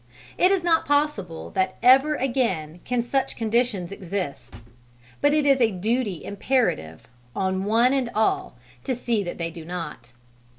It is not possible that ever again can such conditions exist; but it is a duty imperative on one and all to see that they do not.